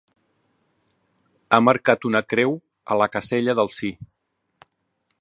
Ha marcat una creu a la casella del sí.